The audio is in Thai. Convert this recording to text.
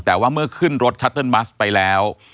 แต่ว่าเมื่อขึ้นรถชัตเติลบัสไปแล้ว